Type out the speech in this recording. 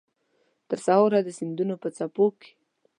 ترسهاره د سیندونو په څپو کې